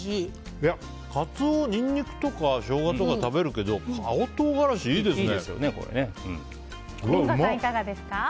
カツオはニンニクとかショウガとかで食べるけどリンゴさん、いかがですか？